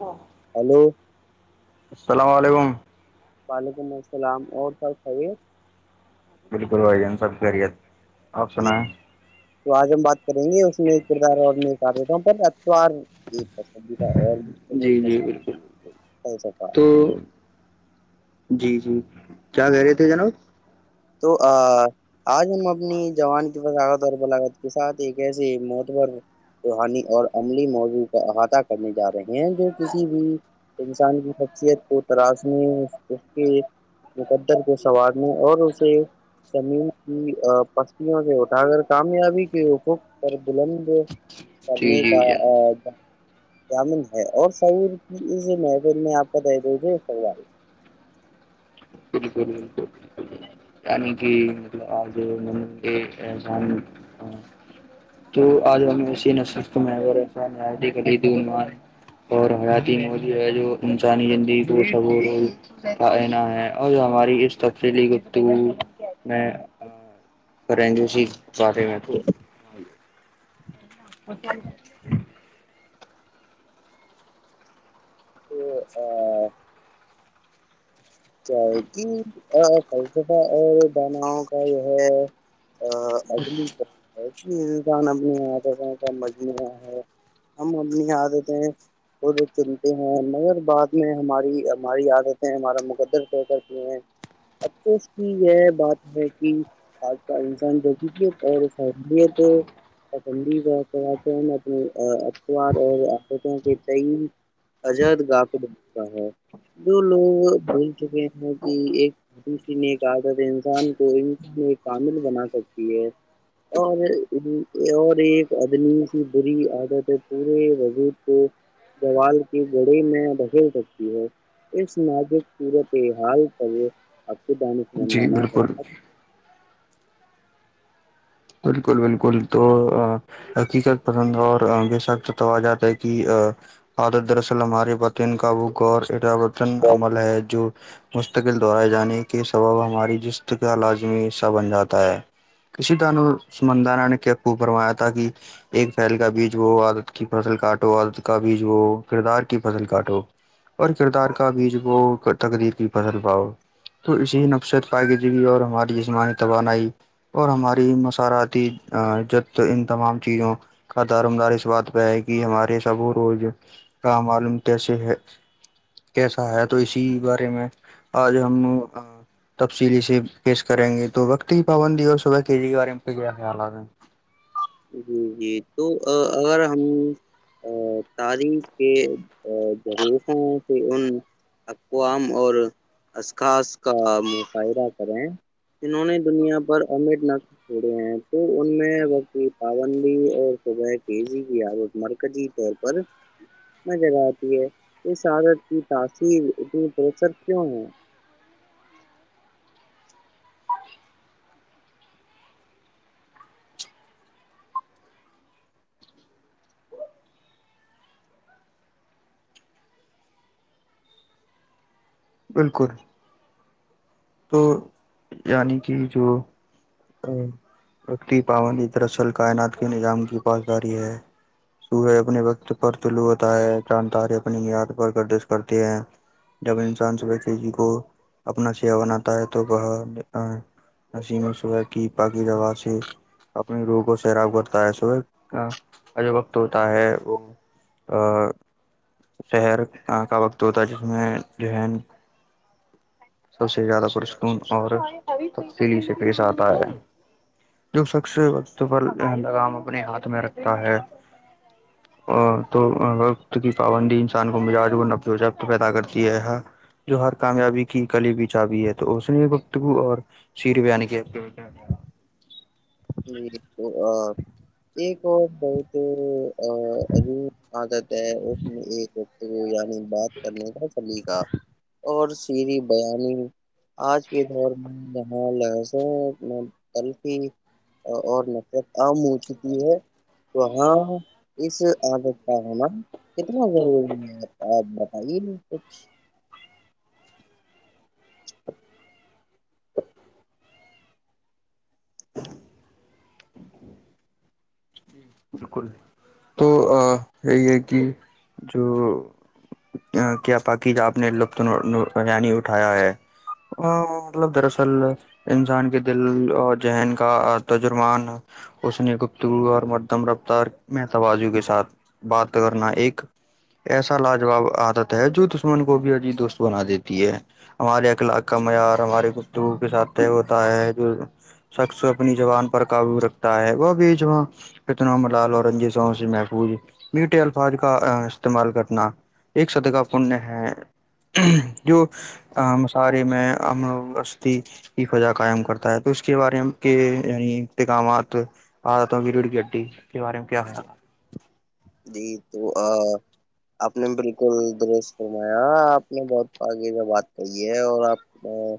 و ہلو السلام علیکم وعلیکم السلام اور بالکل وھائی جین سب خیریت آپ جی سنایں تو آج ہم بات کریں گے اس میں کردار اور میں دیتا ہوں پر اتار جی جی بالکل [inaudible] تو جی جی کیا کہہ رہے تھے جناب تو آ آج ہم اپنی جوان کی بضاغت اور بلاغت کے ساتھ ایک ایسیے موت پر روحانی اور عملی موضوع کا احاطہ کرنے جا رہے ہیں جو کسی بھی انسان کی شخصیت کو ترشنے اس کے مقدر کے سوارنے اور زمین کی پستوں سے اٹھا کرگر کامیابی کےت پر بلند جی کرنے جی کا جناب جامن ہے اور سعور کیز محفل میں آپ کو دے دیجے سال بالکلالک یعنی کہ مطلب آج م یہ سان تو آج ہمیں اسی ن سرت میں ک دور میںئے اور حیااتی مودی ہے جو انسانی زندگی کو شبور رول کانا ہے اور ہماری اس تفصیلی گتی میں کریں گےی بارے میں تو اک تو آ کیا ہے کہ فلسفہ اور داناؤ کا جو ہے ا اجلی ہے کہ انسان اپنی آتوں کا مجمہ ہے ہم انی کا دیتے ہیں اور چنتے ہیں مگر بعد میں ہماری ہماری عادتیں ہمارا مقدم طے کرتی ہیں افسوس کی یہ بات ہے کہ آج کا انسان تویت اور سہلیت پندی اپنے اتبار اور عادتوں کے تئی عد گا بنا ہے دو لوگ بھول چکے ہیں کہ ایک شی نے کہا تھا انسان کو ان ایک کامل بنا سکتی ہے اور اور ایک آدمی س بری عادت ہے پورے وزود کو گوال کی گڑی میں دکل رتی ہے اس ناازک سورت ہال پ وہ اب دان جی بالکل بالکل بالکل تو حقیقت پسند ہے اور بے شخ تو آجات ہے کہ عادت دراصل ہماری باتین کاب غور اجت عمل ہے جو مستقل دہرائے جانے کے کے سبب ہماری جس کا لازمی حصہ بن جاتا ہے کسی ط سمندران نے کےقو پروایا تھا کہ ایک پل کا بیج وہ عادت کی فصل کاٹو عادت کا بیج وہ کردار کی فصل کاٹو اور کردار کا بیج وہ تقدیر کی فصل پاؤ تو اسی نفسیت پائی گ دیی اور ہماری جسمانی توانائی اور ہماری سار آتیت ان تمام چیزوں کا دارمدار اس بات پہ ہے کہ ہمارے سبو روز کا معلوم کیسے ہے کیسا ہے تو اسی بارے میں آج ہم تبصیلی سے پیش کریں گے تو وقت کی پابندی اور صبح کے جی کے بارے میں کیا خیالات ہے جی جی تو اگر ہم [unintelligible] ا تاریخ کے جرفوں سے ان اقوام اور اخاص کا مظاہدہ کریں جنہوں نے دنیا پر امر نق چھوڑے ہیں تو ان میں وق کی پابندی اور صبح تیزی کی عادت مرکزی طور پر نظر آتی ہے اس عادت کی تاثیر اتنی پرسر کیوں ہے بالکل تو یعنی کہ جو [unintelligible] رکتی پابندی دراصل کائنات کے نظام کی پاس جاریی ہے سہے اپنے وقت پر طلو ہوتا ہے جان تاری اپنی میاد پر گردش کرتی ہیں جب انسان سب کے جی کو اپنا سیا بناتا ہے تو وہ نسیم و صہ کی پا کی دوا سے اپنی روح کو سیراب کرتا ہے صبح جو وقت ہوتا ہے وہ ا شہر کا وقت ہوتا ہے جس میں جو ہے سب سے زیادہ پرسکون اور تبصیلی سے پیش آتا ہے جو سخص وقت پرندگام اپنے ہاتھ میں رکھتا ہے ا تو وقت کی پابندی انسان کو مزاج کو نب و جبت پیدا کرتی ہے جو ہر کامیابی کی کلی ب چاابی ہے تو اس نے گفتگو اور سیر بیان کے ج ایک اور بہت [unintelligible] تو ابھی آادت ہے اس میں ایک و یع بات کرنے کا چلیقا اور سھی بیانی آج کے دور میں ہاں لسا کلف اور نفرت عام ہو چکی ہے تو ہاں اس عدت کا ہونا کتنا ضروری بالکل ہے آ آپ بتائیے نہیں کچھ ہاں ج بالکل تو یہی ہے کہ جو کیا پاکیزہ آپ نے لطانی اٹھایا ہے ہاں مطلب دراصل انسان کے دل اور ذہن کا تجرمان اس نے گپتگو اور مردم رفتار مت بازو کے ساتھ بات کرنا ایک ایسا لاجواب عادت ہے جو دشمن کو بھی عجیب دوست بنا دیتی ہے ہمارے اخلاق کا معیار ہماری گفتگو کے ساتھ طے ہوتا ہے جو شخص اپنی زبان پر قابو رکھتا ہے وہ بھی جو وہاں پتن م لال اورنجی س سے محفوظ میٹھے الفاظ کا استعمال کرنا ایک سد کا پنیہ ہے جو ا موسارے میں اما وسطی کی فجا قائم کرتا ہے تو اس کے بارے میں کے یہ انتکمات ا تو ویڈیو ڈیلیٹ ڈی کے بارے میں کیا تھا جی بو ا [unintelligible] آپ نے بالکل درش فرمایا آپ نے بہت آگے کا بات کہی ہے اور آپ ا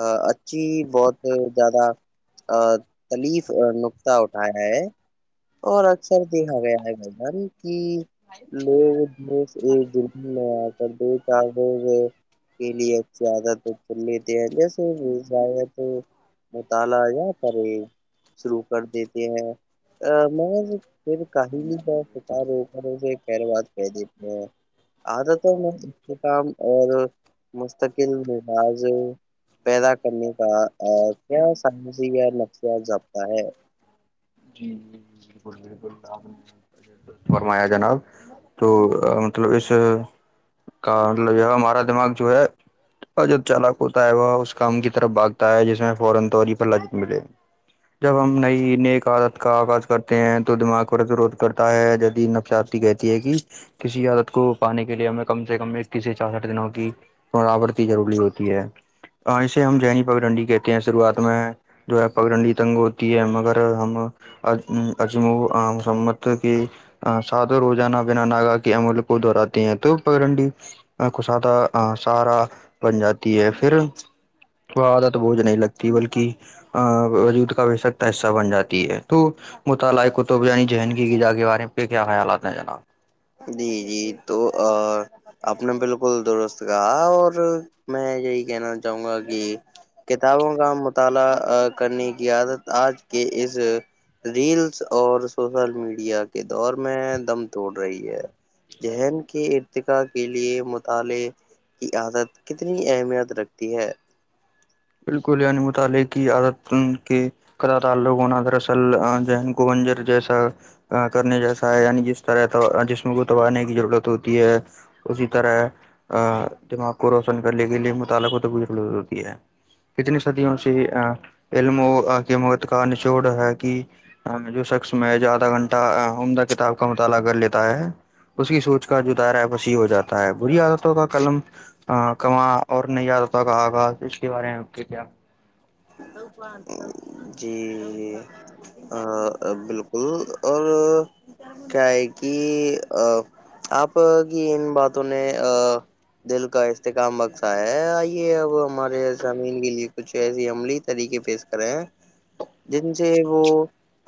ا اچھی بہت زیادہ ا تلیف نکطہ اٹھانا ہے عورت اکثر دیکھا گیا ہے بھائی جان کہ لوگ جو ایک دوس [unintelligible] نہیں آ دو چار دز گلی ا آادت چن لیتے ہیں جیسےات مطالعہ یا کرے شروع کر دیتے ہیں ا میں پھر کاہلی کا [unintelligible] کیا رو کر سے خیر بات کہ دیپ عادتوں میں استکام اور مستقل مفاذ پیدا کرنے کا ا ہے کیا سائنسی نفس چلتا ہے جی بالکل بالکل اپ نے بالکل صحیح فرمایا جناب تو مطلب اس کا مطلب یہ ہمارا دماغ جو ہے اجب چالک ہوتا ہے وہ اس کام کی طرف بھاگ تا ہے جیسا فورن تووری پر ل ملے جب ہم نئی نیک عادت کا آغاز کرتے ہیں تو دماغ کو روز روز کرتا ہے جدید نفس کہتی ہے کہ کسی عادت کو پانے کے لیے ہمیں کم سے کم کسی چار ساٹھ دنوں کی براابرتی ضروری ہوتی ہے اور اسے ہم جین پگڈنڈی کہتے ہیں شروعات میں جو ہے پگنڈی تنگ ہوتی ہے مگر ہم ا اجم و مسمت کی ا صادر روجانا بنا ناگا کے امل کو دہراتے ہیں تو پگ ڈنڈی ا خشادہ ا سہارا بن جاتی ہے پھر وہ عادت بوجھ نہیں لگتی بلکہ ا وجود کا بے سک تا حصہ بن جاتی ہے تو مت لائق کطب یعنی زندگی کی غذا کے بارے پہ کیا خیالات ہیں جناب جی جی تو ا اپنے بالکل درست کہا اور میں یہی کہنا چاہوں گا کہ کتابوں کا مطالعہ کرنے کی عادت آج کے اس ریلس اور سوشل میڈیا کے دور میں دم توڑ رہی ہے ذہن کے ارتقاء کے لیے مطالعے کی عادت کتنی اہمیت رکھتی ہے بالکل یعنی مطالعے کی عادت ان کے کدا تعلق ہونا دراصل جین کو بنجر جیسا ا کرنے جیسا ہے یعنی جس طرح جسم کو توبانے کی ضرورت ہوتی ہے اسی طرح ا دماغ کو روشن کرنے کے لیے متعلق ہو تو ضرور ہوتی ہے کتنی صدیوں سے ا علمو ا کے موت کا نچوڑ ہے کہ ہاں جو شخص میں آدھا گھنٹہ عمدہ کتاب کا مطالعہ کر لیتا ہے اس کی سوچ کا جدارا وسیع ہو جاتا ہے بری عادتوں کا قلم ہ کماں اور نہیں آ رہتا کہ آغاز اس کے بارے میں کیا جی ا بالکل اور کیا ہے کہ آپ کی ان باتوں نے ا دل کا استحکام بخشا ہے آئیے اب ہمارے زمین کے لیے کچھ ایسی عملی طریقے پیش کرے ہیں جن سے وہ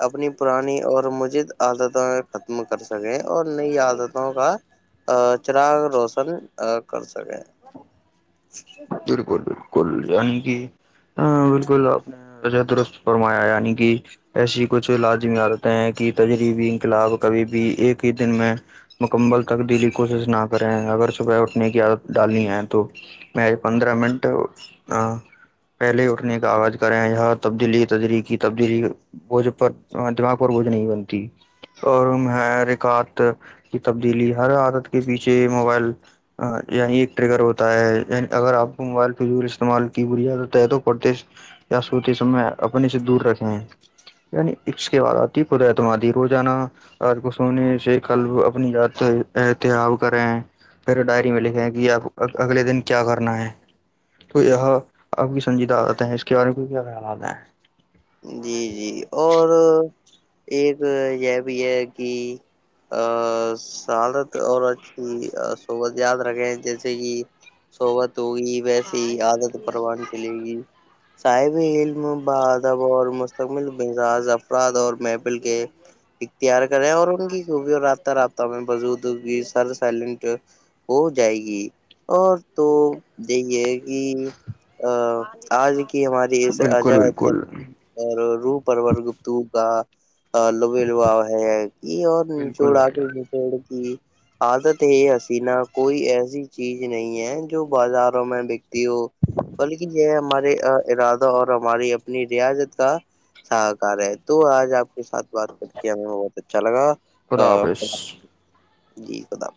اپنی پرانی اور مجید عادتوں ختم کر سکیں اور نئی عادتوں کا چراغ روشن کر سکیں بالکل بالکل یانی کہ ہاں بالکل اپ نے وجہ درست فرمایا یعنی کہ ایسی کچھ لازمی عادتیں ہیں کہ تجربی انقلاب کبھی بھی ایک ہی دن میں مکمل تبدیلی کوشش نہ کریں اگر صبح اٹھنے کی عادت ڈالنی ہے تو میں پندرہ منٹ پہلے اٹھنے کا آغاز کرے ہیں یہاں تبدیلی تدلی کی تبدیلی بوجھ پر دماغ پر بوجھ نہیں بنتی اور ہے رکات کی تبدیلی ہر عادت کے پیچھے موبائل ہاں یہیں ایک ٹریگر ہوتا ہے ی اگر آپ کو موبائل فضول استعمال کی بری آدت ہے تو پردش یا سوتے سم میں اپنے سے دور رکھے ہیں یعنی عشق کے بع آتی خداتم آادھی رو جانا آج کو سونے سے کل اپنی یاد احتیااب کرے ہیں پھر ڈائری میں لکھے ہیں کہ آپ اگے دن کیا کرنا ہے تو یہ اب کی سنجیدہ آتا ہے اس کے بارے میں کو کیا خیال آتا ہے جی جی اور ایک یہ بھی ہے کہ ا سادت اور اچھی ست یاد رکھے جیسے کہ سحبت ہوگی ویسے ہی عادت پروان چلے گی صاحب علم باد مستقمل مزاج افراد اور محفل کے اختیار کریں اور ان کی کوب اور رابطہ رابطہ میں بزود سر سائلنٹ ہو جائے گی اور تو دیکھیے کی ا آج کی ہماری اس بالکل اجا بالکل تب اور رو پرور گپت کا لب لباؤ ہے یہ اور بالکل نچوڑ آ بھائی کے جان نچوڑ کی عادت ہے یہ حسینہ کوئی ایسی چیز نہیں ہے جو بازاروں میں بک بلکہ یہ ہمارے ارادہ اور ہماری اپنی ریاضت کا ساہکار ہے تو آج آپ کے ساتھ بات کر کے ہمیں بہت اچھا لگا آ، خدا- خدافش [unintelligible] جی خد [inaudible]